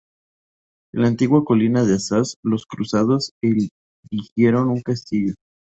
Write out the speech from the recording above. En la antigua colina de Azaz los cruzados erigieron un castillo.